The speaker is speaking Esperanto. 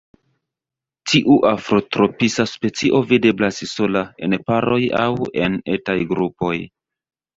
Tiu afrotropisa specio videblas sola, en paroj aŭ en etaj grupoj.